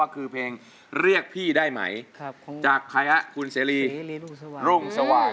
คือเพลงเรียกพี่ได้ไหมจากใครฮะคุณเสรีรุ่งสว่าง